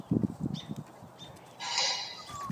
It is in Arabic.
لم يفتأ الناس حتى أحدثوا بدعا